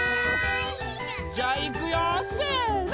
じゃあいくよせの！